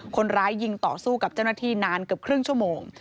คนร้ายยิงต่อสู้กับเจ้าหน้าที่นานเกือบครึ่งชั่วโมง